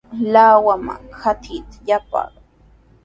Lawaman katrita yapay.